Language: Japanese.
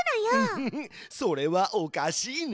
ウフフそれはおかしいね。